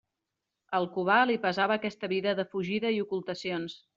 Al Cubà li pesava aquesta vida de fugida i ocultacions.